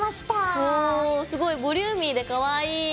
おすごいボリューミーでカワイイ！